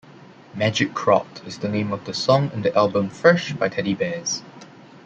"Magic Kraut" is the name of a song in the album "Fresh" by Teddybears.